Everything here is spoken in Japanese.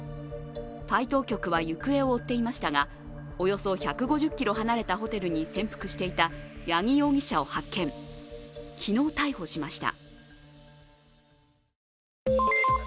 タイ当局は行方を追っていましたがおよそ１５０ｋｍ離れたホテルに潜伏していた八木容疑者を発見昨日逮捕しました。